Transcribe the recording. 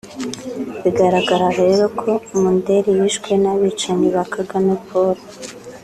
Bigaragara rero ko Mundere yishwe n’abicanyi ba Kagame Paul